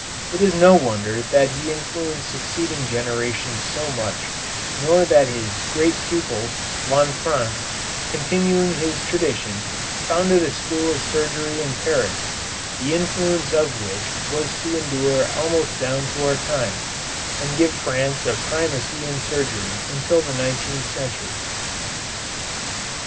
It is no wonder that he influenced succeeding generations so much, nor that his great pupil, Lanfranc, continuing his tradition, founded a school of surgery in Paris, the influence of which was to endure almost down to our time, and give France a primacy in surgery until the nineteenth century.